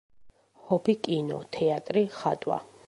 ჰობი კინო, თეატრი, ხატვა.